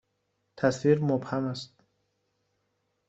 تصویر مبهم است.